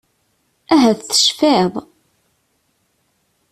Ahat tecfiḍ.